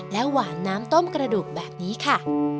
หวานน้ำต้มกระดูกแบบนี้ค่ะ